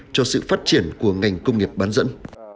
cho sự phát triển của ngành công nghiệp bán dẫn